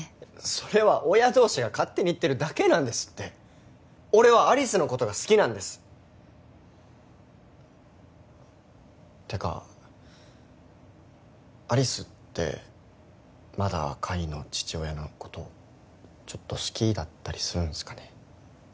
それは親同士が勝手に言ってるだけなんですって俺は有栖のことが好きなんですてか有栖ってまだ海の父親のことちょっと好きだったりするんですかね？